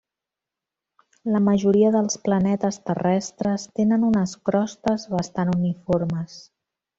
La majoria dels planetes terrestres tenen unes crostes bastant uniformes.